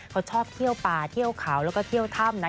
เขาชอบเที่ยวป่าเที่ยวเขาแล้วก็เที่ยวถ้ำนะ